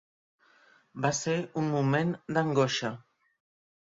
Va ser un moment d'angoixa.